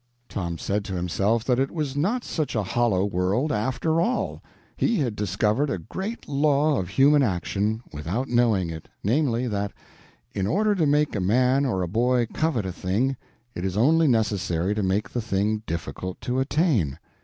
Tom said to himself that it was not such a hollow world after all. He had discovered a great law of human action, without knowing it, namely, that, in order to make a man or a boy covet a thing, it is only necessary to make the thing difficult to attain.